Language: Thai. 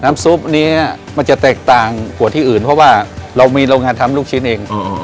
ซุปนี้มันจะแตกต่างกว่าที่อื่นเพราะว่าเรามีโรงงานทำลูกชิ้นเอง